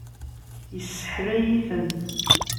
Isseḥlay-iten.